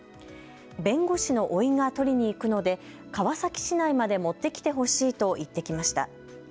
弁護士のおいが取りに行くので川崎市内まで持ってきてほしいと言ってきました。